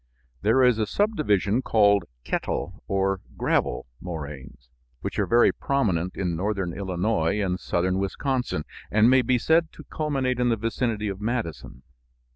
There is a subdivision called "kettle" or "gravel" moraines, which are very prominent in northern Illinois and southern Wisconsin, and may be said to culminate in the vicinity of Madison.